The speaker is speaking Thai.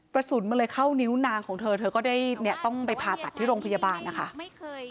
กระสุนมันเลยเข้านิ้วนางของเธอเธอก็ได้เนี่ยต้องไปผ่าตัดที่โรงพยาบาลนะคะ